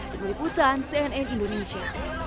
berliputan cnn indonesia